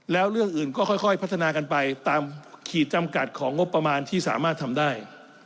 แล้วเรื่องอื่นก็ค่อยพัฒนากันไปตามขีดจำกัดของงบประมาณที่สามารถทำได้